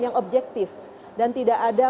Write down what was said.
yang objektif dan tidak ada